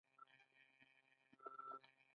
ایا زه باید ګاونډی شم؟